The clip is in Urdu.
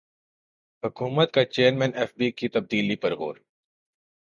حکومت کا چیئرمین ایف بی کی تبدیلی پر غور